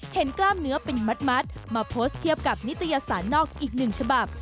กล้ามเนื้อเป็นมัดมาโพสต์เทียบกับนิตยสารนอกอีกหนึ่งฉบับ